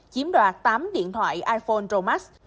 chiếm đoạt tám điện thoại iphone romax